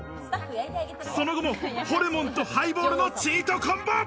その後もホルモンとハイボールのチートコンボ！